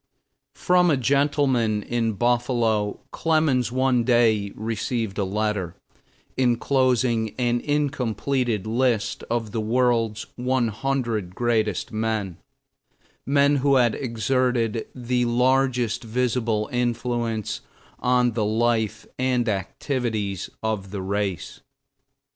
From a gentleman in Buffalo Clemens one day received a letter inclosing an incompleted list of the world's "One Hundred Greatest Men," men who had exerted "the largest visible influence on the life and activities of the race."